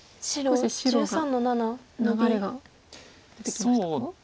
少し白が流れが出てきましたか？